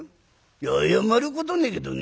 「いや謝ることねえけどね。